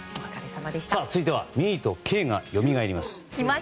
続いてはミーとケーがよみがえります。